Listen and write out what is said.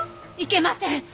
いけません！